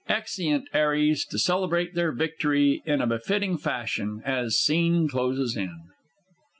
[Exeunt 'ARRIES, to celebrate their victory in a befitting fashion, as Scene closes in.